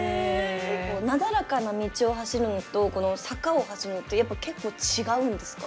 なだらかな道を走るのとこの坂を走るのってやっぱ結構違うんですか？